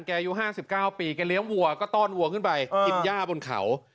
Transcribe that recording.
อายุ๕๙ปีแกเลี้ยงวัวก็ต้อนวัวขึ้นไปกินย่าบนเขา